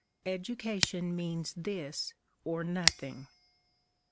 Education means this or nothing.